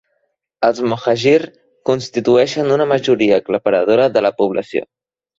Els mohajir constitueixen una majoria aclaparadora de la població.